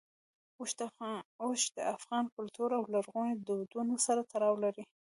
اوښ د افغان کلتور او لرغونو دودونو سره تړاو لري.